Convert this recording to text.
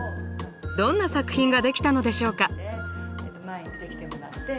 どんな作品が出来たのでしょうか。